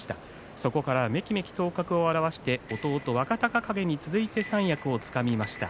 そこから、めきめきと頭角を現して弟若隆景に続いて三役をつかみました。